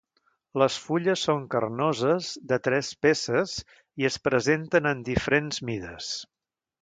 Les fulles són carnoses, de tres peces i es presenten en diferents mides.